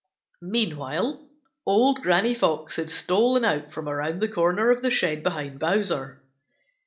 Meanwhile old Granny Fox had stolen out from around the corner of the shed behind Bowser.